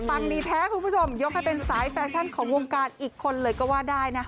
ดีแท้คุณผู้ชมยกให้เป็นสายแฟชั่นของวงการอีกคนเลยก็ว่าได้นะ